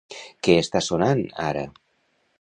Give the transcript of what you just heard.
Què està sonant ara?